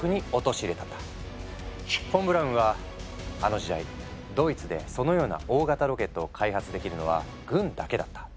フォン・ブラウンは「あの時代ドイツでそのような大型ロケットを開発できるのは軍だけだった。